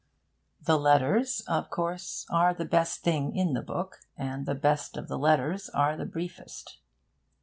The letters, of course, are the best thing in the book, and the best of the letters are the briefest.